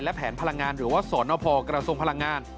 และแผนพลังงานหรือว่าสนพกระทรงพลังงาน